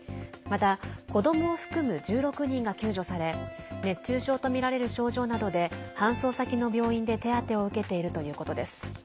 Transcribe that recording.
また、子どもを含む１６人が救助され熱中症とみられる症状などで搬送先の病院で手当てを受けているということです。